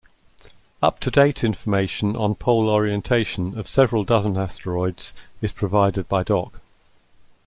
Up-to-date information on pole orientation of several dozen asteroids is provided by Doc.